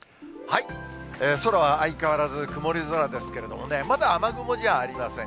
そらは相変わらず曇り空ですけれどもね、まだ雨雲じゃありません。